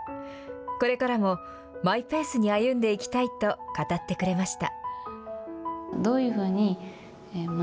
これからもマイペースに歩んでいきたいと語ってくれました。